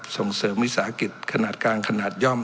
ส่งเสริมวิสาหกิจขนาดกลางขนาดย่อม